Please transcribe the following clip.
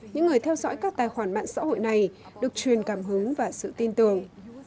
những người theo dõi các tài khoản mạng xã hội này được truyền cảm hứng và sự tin tưởng